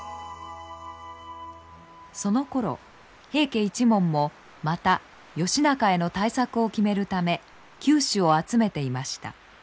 そのころ平家一門もまた義仲への対策を決めるため鳩首を集めていました。